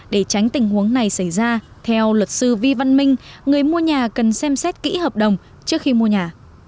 để tránh tình huống này xảy ra theo luật sư vi văn minh người mua nhà cần xem xét kỹ hợp đồng trước khi mua nhà